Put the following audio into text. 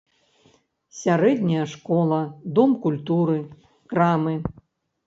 Сярэдняя школа, дом культуры, крамы.